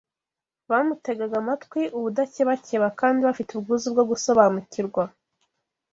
Bamutegaga amatwi ubudakebakeba kandi bafite ubwuzu bwo gusobanukirwa